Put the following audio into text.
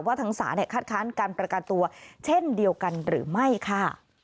ทั้งศาลคัดค้านการประกันตัวเช่นเดียวกันหรือไม่ค่ะ